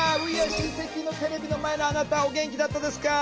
Ｗｅａｒｅシンセキ！のテレビの前のあなたお元気だったですか？